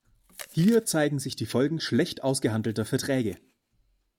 Hier zeigen sich die Folgen schlecht ausgehandelter Verträge.